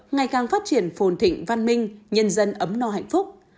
ngày càng phát triển phồn thịnh văn minh nhân dân ấm no hạnh phúc